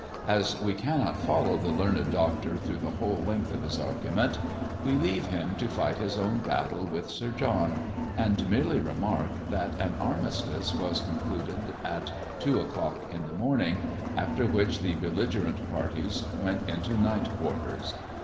As we cannot follow the learned Doctor through the whole length of his argument we leave him to fight his own battle with Sir John, and merely remark, that an armistice was concluded at two o'clock in the morning, after which the belligerent parties went into night quarters.